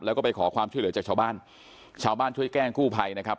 แล้วก็ไปขอความช่วยเหลือจากชาวบ้านชาวบ้านช่วยแจ้งกู้ภัยนะครับ